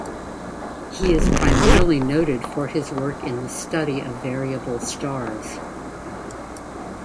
He is primarily noted for his work in the study of variable stars.